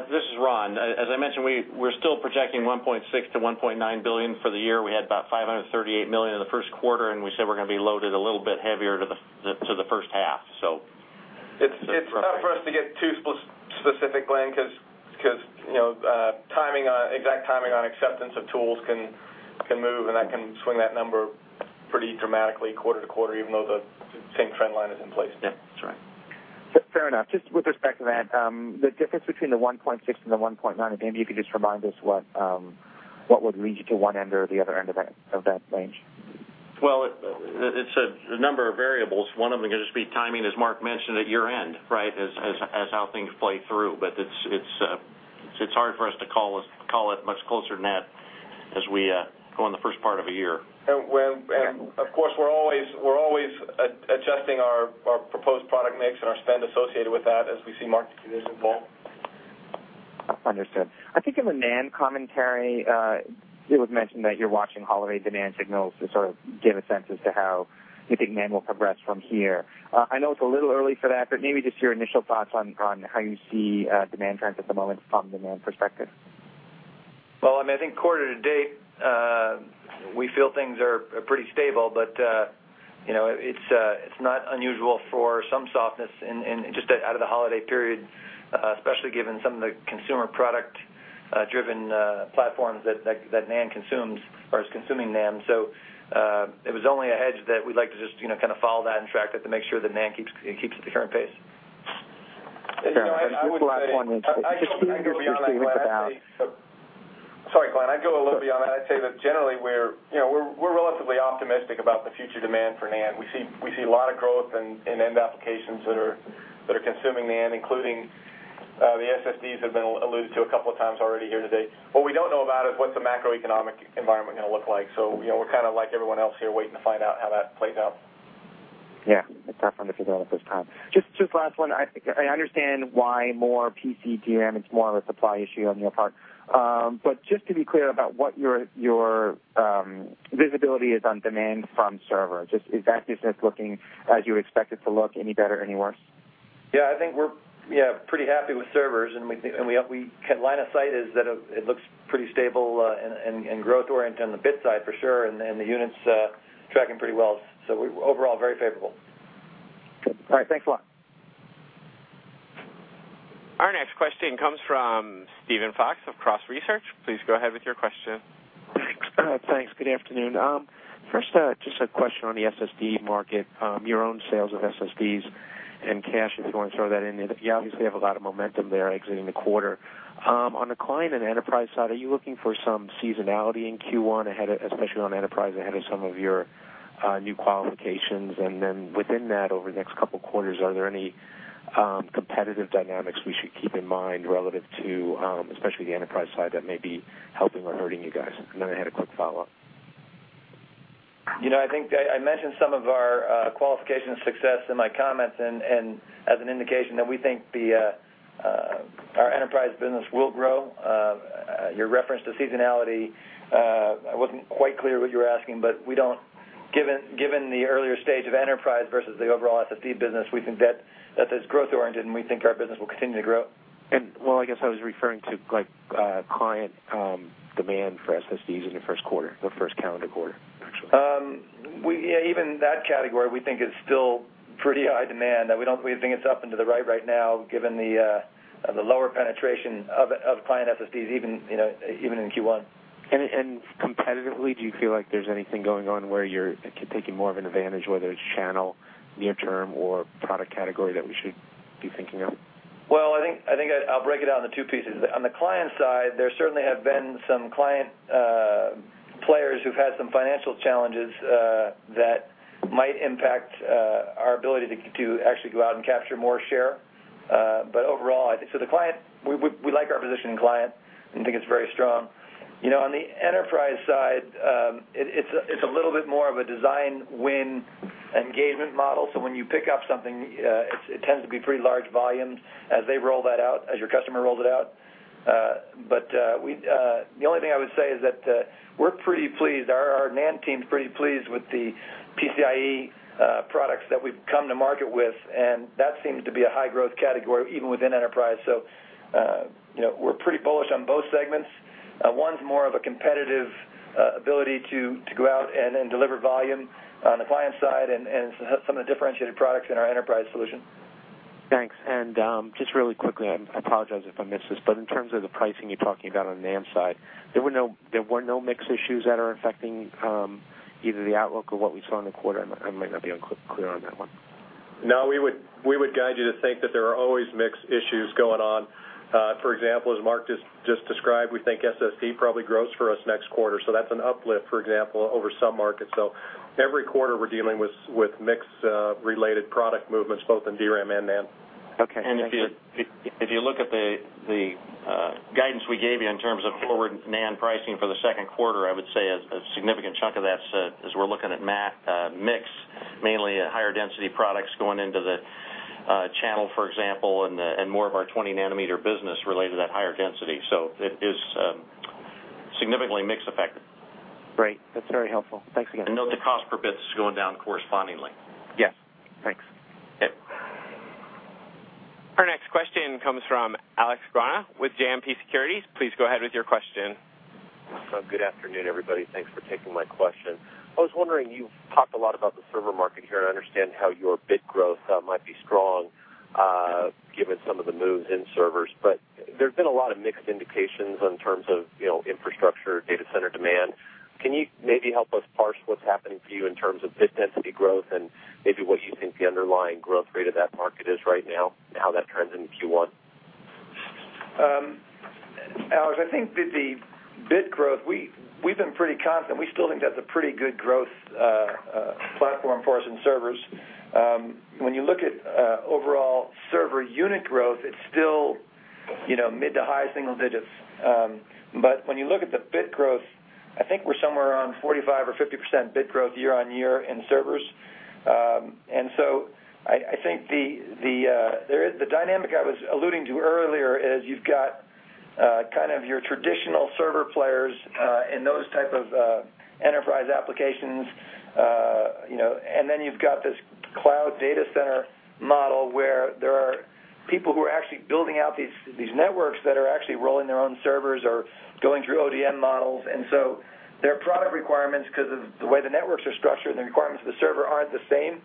This is Ron. As I mentioned, we're still projecting $1.6 billion-$1.9 billion for the year. We had about $538 million in the first quarter, and we said we're going to be loaded a little bit heavier to the first half. It's tough for us to get too specific, Glen, because exact timing on acceptance of tools can move, and that can swing that number pretty dramatically quarter-to-quarter, even though the same trend line is in place. Yeah, that's right. Fair enough. Just with respect to that, the difference between the 1.6 and the 1.9, if maybe you could just remind us what would lead you to one end or the other end of that range? Well, it's a number of variables. One of them is just be timing, as Mark mentioned at year-end, right? As how things play through. It's hard for us to call it much closer than that as we go in the first part of a year. Of course, we're always adjusting our proposed product mix and our spend associated with that as we see market conditions evolve. Understood. I think in the NAND commentary, it was mentioned that you're watching holiday demand signals to sort of give a sense as to how you think NAND will progress from here. I know it's a little early for that, but maybe just your initial thoughts on how you see demand trends at the moment from demand perspective. Well, I think quarter to date, we feel things are pretty stable, but it's not unusual for some softness just out of the holiday period, especially given some of the consumer product-driven platforms that NAND consumes or is consuming NAND. It was only a hedge that we'd like to just kind of follow that and track that to make sure that NAND keeps at the current pace. Fair enough. Just the last one, just to I would add, I'd go a little bit on that. I'd say speak with you about Sorry, Glen, I'd go a little bit on that. I'd say that generally, we're relatively optimistic about the future demand for NAND. We see a lot of growth in end applications that are consuming NAND, including the SSDs that have been alluded to a couple of times already here today. What we don't know about is what the macroeconomic environment going to look like. We're kind of like everyone else here, waiting to find out how that plays out. It's tough when it's going on the first time. Just last one. I understand why more PC DRAM, it's more of a supply issue on your part. Just to be clear about what your visibility is on demand from server, just is that business looking as you expect it to look, any better, any worse? I think we're pretty happy with servers, and line of sight is that it looks pretty stable and growth-oriented on the bit side for sure, and the units are tracking pretty well. Overall, very favorable. All right. Thanks a lot. Question comes from Steven Fox of Cross Research. Please go ahead with your question. Thanks. Good afternoon. First, just a question on the SSD market, your own sales of SSDs and cache, if you want to throw that in there. You obviously have a lot of momentum there exiting the quarter. On the client and enterprise side, are you looking for some seasonality in Q1, especially on enterprise, ahead of some of your new qualifications? Within that, over the next couple quarters, are there any competitive dynamics we should keep in mind relative to especially the enterprise side that may be helping or hurting you guys? I had a quick follow-up. I think I mentioned some of our qualification success in my comments, and as an indication that we think our enterprise business will grow. Your reference to seasonality, I wasn't quite clear what you were asking, but given the earlier stage of enterprise versus the overall SSD business, we think that that is growth-oriented, and we think our business will continue to grow. Well, I guess I was referring to client demand for SSDs in the first quarter, or first calendar quarter, actually. Even that category, we think is still pretty high demand. We think it's up into the right now, given the lower penetration of client SSDs, even in Q1. Competitively, do you feel like there's anything going on where you're taking more of an advantage, whether it's channel near term or product category, that we should be thinking of? Well, I think I'll break it out into two pieces. On the client side, there certainly have been some client players who've had some financial challenges that might impact our ability to actually go out and capture more share. Overall, we like our position in client and think it's very strong. On the enterprise side, it's a little bit more of a design win engagement model. When you pick up something, it tends to be pretty large volumes as your customer rolls it out. The only thing I would say is that we're pretty pleased, our NAND team's pretty pleased with the PCIe products that we've come to market with, and that seems to be a high-growth category, even within enterprise. We're pretty bullish on both segments. One's more of a competitive ability to go out and deliver volume on the client side and some of the differentiated products in our enterprise solution. Thanks. Just really quickly, I apologize if I missed this, but in terms of the pricing you're talking about on the NAND side, there were no mix issues that are affecting either the outlook or what we saw in the quarter? I might not be clear on that one. No, we would guide you to think that there are always mix issues going on. For example, as Mark just described, we think SSD probably grows for us next quarter. That's an uplift, for example, over some markets. Every quarter, we're dealing with mix-related product movements both in DRAM and NAND. Okay. If you look at the guidance we gave you in terms of forward NAND pricing for the second quarter, I would say a significant chunk of that is we're looking at mix, mainly higher density products going into the channel, for example, and more of our 20 nanometer business related to that higher density. It is significantly mix affected. Great. That's very helpful. Thanks again. Note the cost per bit is going down correspondingly. Yes. Thanks. Yep. Our next question comes from Alex Gauna with JMP Securities. Please go ahead with your question. Good afternoon, everybody. Thanks for taking my question. I was wondering, you've talked a lot about the server market here, and I understand how your bit growth might be strong given some of the moves in servers, but there's been a lot of mixed indications in terms of infrastructure, data center demand. Can you maybe help us parse what's happening for you in terms of bit density growth and maybe what you think the underlying growth rate of that market is right now and how that trends in Q1? Alex, I think that the bit growth, we've been pretty constant. We still think that's a pretty good growth platform for us in servers. When you look at overall server unit growth, it's still mid to high single digits. When you look at the bit growth, I think we're somewhere around 45% or 50% bit growth year-on-year in servers. I think the dynamic I was alluding to earlier is you've got your traditional server players in those type of enterprise applications, and then you've got this cloud data center model, where there are people who are actually building out these networks that are actually rolling their own servers or going through ODM models. Their product requirements, because of the way the networks are structured, and the requirements of the server aren't the same,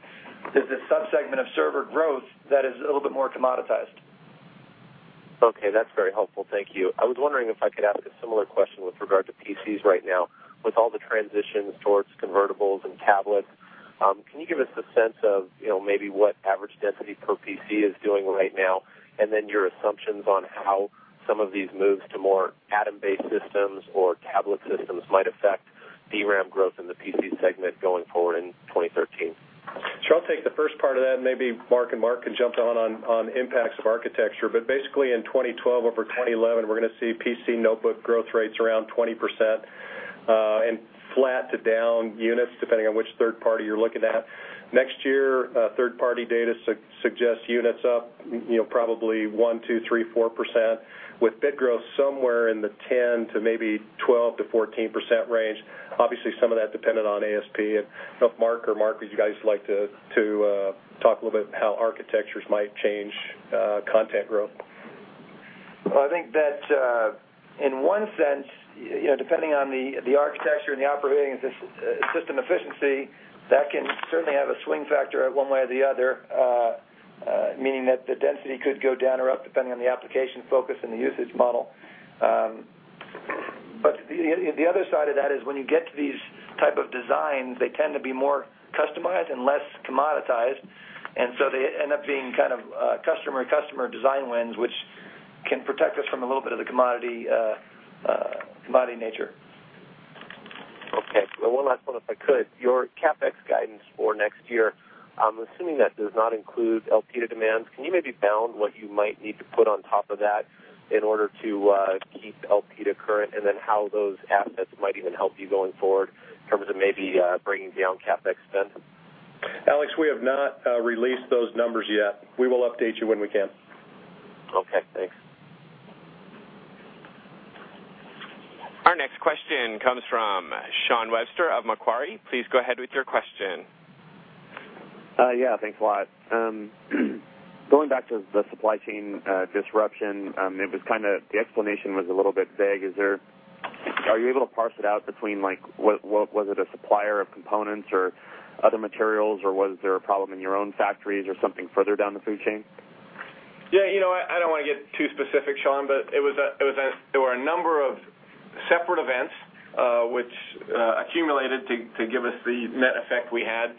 there's this subsegment of server growth that is a little bit more commoditized. Okay, that's very helpful. Thank you. I was wondering if I could ask a similar question with regard to PCs right now. With all the transitions towards convertibles and tablets, can you give us a sense of maybe what average density per PC is doing right now, and then your assumptions on how some of these moves to more Atom-based systems or tablet systems might affect DRAM growth in the PC segment going forward in 2013? Sure, I'll take the first part of that, and maybe Mark and Mark can jump on impacts of architecture. Basically, in 2012 over 2011, we're going to see PC notebook growth rates around 20%, and flat to down units, depending on which third party you're looking at. Next year, third party data suggests units up probably 1%, 2%, 3%, 4%, with bit growth somewhere in the 10% to maybe 12% to 14% range. Obviously, some of that dependent on ASP. I don't know if Mark or Mark, would you guys like to talk a little bit how architectures might change content growth? In one sense, depending on the architecture and the operating system efficiency, that can certainly have a swing factor one way or the other, meaning that the density could go down or up depending on the application focus and the usage model. The other side of that is when you get to these type of designs, they tend to be more customized and less commoditized, they end up being kind of customer design wins, which can protect us from a little bit of the commodity nature. Okay. One last one, if I could. Your CapEx guidance for next year, I'm assuming that does not include Elpida demands. Can you maybe bound what you might need to put on top of that in order to keep Elpida current, and then how those assets might even help you going forward in terms of maybe bringing down CapEx spend? Alex, we have not released those numbers yet. We will update you when we can. Okay, thanks. Our next question comes from Shawn Webster of Macquarie. Please go ahead with your question. Yeah, thanks a lot. Going back to the supply chain disruption, the explanation was a little bit vague. Are you able to parse it out between, was it a supplier of components or other materials, or was there a problem in your own factories or something further down the food chain? Yeah. I don't want to get too specific, Shawn, but there were a number of separate events, which accumulated to give us the net effect we had.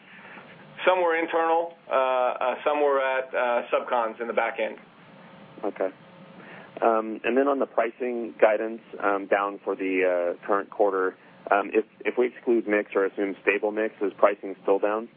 Some were internal, some were at sub cons in the back end. Okay. Then on the pricing guidance down for the current quarter, if we exclude mix or assume stable mix, is pricing still down?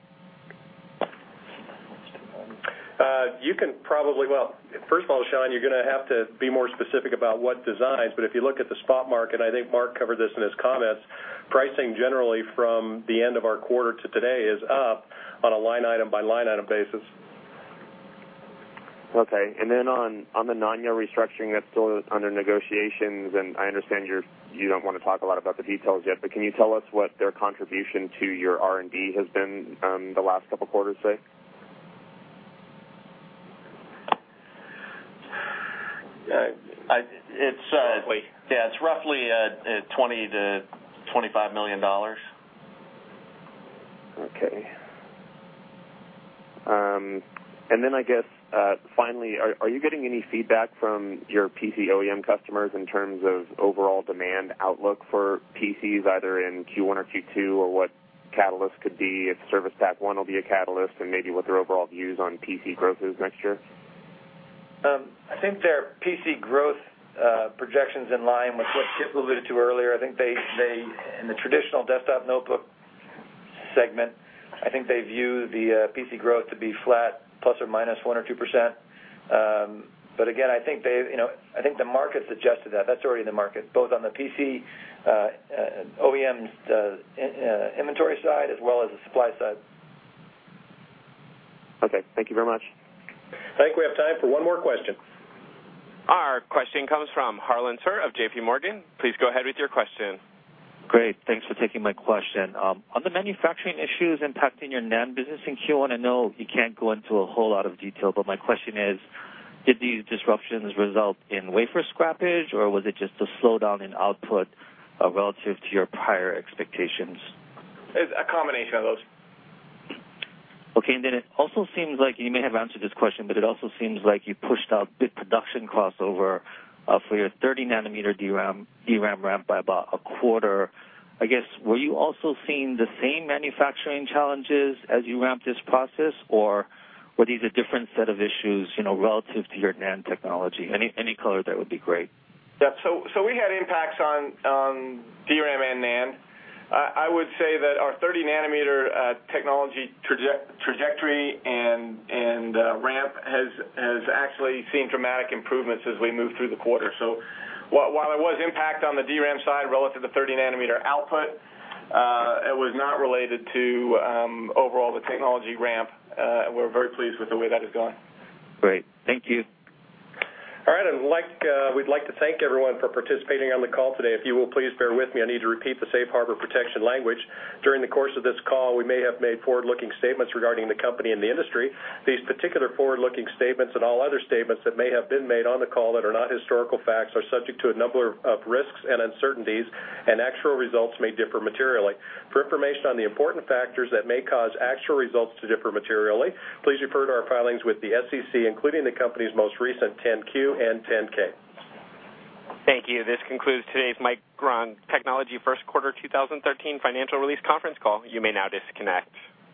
Well, first of all, Shawn, you're going to have to be more specific about what designs. If you look at the spot market, I think Mark covered this in his comments, pricing generally from the end of our quarter to today is up on a line item by line item basis. Okay. On the Nanya restructuring that's still under negotiations, I understand you don't want to talk a lot about the details yet, can you tell us what their contribution to your R&D has been the last couple of quarters, say? It's roughly $20 million-$25 million. Okay. I guess, finally, are you getting any feedback from your PC OEM customers in terms of overall demand outlook for PCs, either in Q1 or Q2, or what catalyst could be if Service Pack 1 will be a catalyst, maybe what their overall views on PC growth is next year? I think their PC growth projection's in line with what Kipp alluded to earlier. I think in the traditional desktop notebook segment, I think they view the PC growth to be flat, ±1% or 2%. Again, I think the market suggested that. That's already in the market, both on the PC OEM inventory side as well as the supply side. Okay, thank you very much. I think we have time for one more question. Our question comes from Harlan Sur of JPMorgan. Please go ahead with your question. Great. Thanks for taking my question. On the manufacturing issues impacting your NAND business in Q1, I know you can't go into a whole lot of detail, my question is, did these disruptions result in wafer scrappage, or was it just a slowdown in output relative to your prior expectations? It's a combination of those. Okay. It also seems like, you may have answered this question, it also seems like you pushed out bit production costs over for your 30 nanometer DRAM ramp by about a quarter. I guess, were you also seeing the same manufacturing challenges as you ramped this process, or were these a different set of issues relative to your NAND technology? Any color there would be great. Yeah. We had impacts on DRAM and NAND. I would say that our 30 nanometer technology trajectory and ramp has actually seen dramatic improvements as we move through the quarter. While there was impact on the DRAM side relative to 30 nanometer output, it was not related to overall the technology ramp. We're very pleased with the way that is going. Great. Thank you. All right. We'd like to thank everyone for participating on the call today. If you will please bear with me, I need to repeat the safe harbor protection language. During the course of this call, we may have made forward-looking statements regarding the company and the industry. These particular forward-looking statements and all other statements that may have been made on the call that are not historical facts are subject to a number of risks and uncertainties, and actual results may differ materially. For information on the important factors that may cause actual results to differ materially, please refer to our filings with the SEC, including the company's most recent 10-Q and 10-K. Thank you. This concludes today's Micron Technology first quarter 2013 financial release conference call. You may now disconnect.